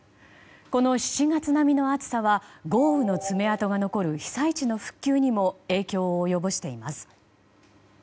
この７月並みの暑さは豪雨の爪痕が残る被災地の復旧にも影響を及ぼしています。